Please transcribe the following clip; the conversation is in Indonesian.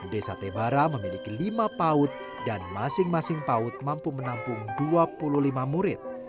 desa tebara memiliki lima paut dan masing masing paut mampu menampung dua puluh lima murid